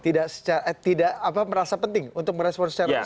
tidak merasa penting untuk merespon secara langsung